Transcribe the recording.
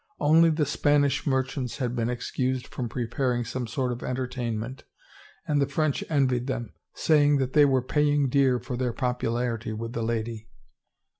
Only the Spanish merchants had been excused from preparing some sort of entertainment and the French envied them, saying that they were paying dear for their popularity ' with the lady.